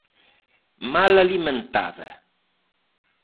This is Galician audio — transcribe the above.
Mal alimentada.